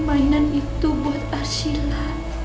mainan itu buat arsyila